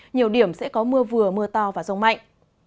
nhiều điểm sẽ có mưa vừa mưa to và rông mạnh